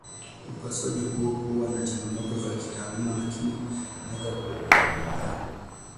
Upasuaji huo huwa na changamoto za kitaalamu lakini inaweza kuokoa uhai.